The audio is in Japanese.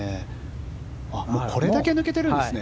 これだけ抜けているんですね。